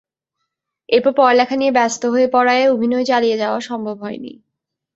এরপর পড়ালেখা নিয়ে ব্যস্ত হয়ে পড়ায় অভিনয় চালিয়ে যাওয়া সম্ভব হয়নি।